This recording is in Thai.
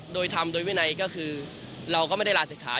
โดยทำโดยวินัยก็คือเราก็ไม่ได้ลาศิกขา